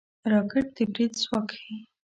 راکټ د برید ځواک ښيي